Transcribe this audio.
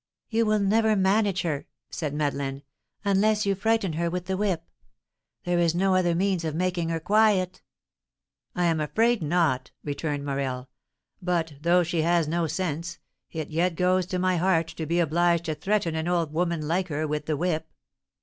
"You will never manage her," said Madeleine, "unless you frighten her with the whip; there is no other means of making her quiet." "I am afraid not," returned Morel; "but, though she has no sense, it yet goes to my heart to be obliged to threaten an old woman, like her, with the whip."